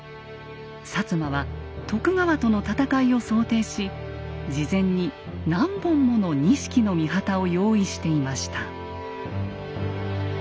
摩は徳川との戦いを想定し事前に何本もの錦の御旗を用意していました。